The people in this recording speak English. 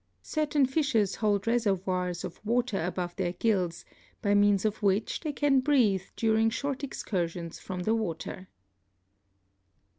Certain fishes hold reservoirs of water above their gills by means of which they can breathe during short excursions from the water.